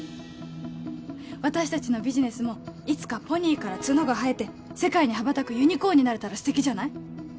私達のビジネスもいつかポニーから角が生えて世界に羽ばたくユニコーンになれたら素敵じゃない？